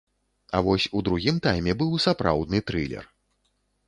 А вось у другім тайме быў сапраўдны трылер.